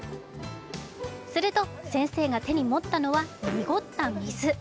すると先生が手に持ったのは、濁った水。